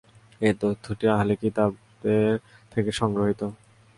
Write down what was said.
এ তথ্যটি আহলে কিতাবদের থেকে সংগৃহীত।